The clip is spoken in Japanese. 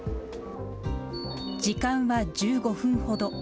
時間は１５分ほど。